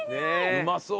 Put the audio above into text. うまそう！